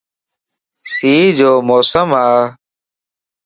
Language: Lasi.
سيءَ جو موسم ا